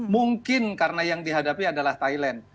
mungkin karena yang dihadapi adalah thailand